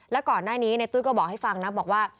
แล้วก่อนหน้านี้ในตุ้ยก็บอกให้ฟังนะบอกว่า